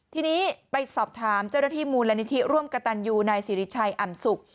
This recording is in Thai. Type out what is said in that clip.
ทีนี้ไปสอบถามเจ้าหน้าที่มูลนิธิร่วมกระตันยูนายสิริชัยอ่ำสุก